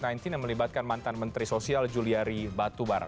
yang melibatkan mantan menteri sosial juliari batubara